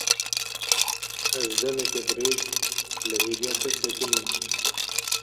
Ez demeke dirêj li hêviya te sekinîm.